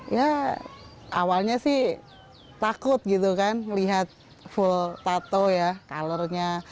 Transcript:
ya awalnya sih takut gitu kan melihat full tattoo ya color nya